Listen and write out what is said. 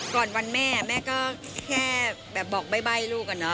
ก่อนวันแม่แม่ก็แค่บอกบ๊ายบายลูกอะนะ